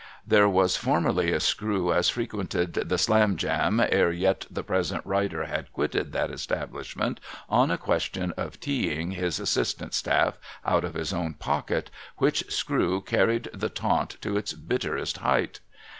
There was formerly a screw as frequented the Slamjam ere yet the present writer had quitted that establishment on a question of tea ing his assistant staff out of his own pocket, which screw carried the taunt to its bitterest height.